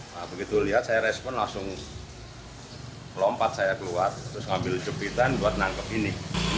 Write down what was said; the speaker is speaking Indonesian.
nah begitu lihat saya respon langsung lompat saya keluar terus ngambil jepitan buat nangkep ini